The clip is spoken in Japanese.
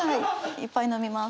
いっぱい飲みます。